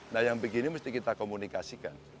nah yang begini mesti kita komunikasikan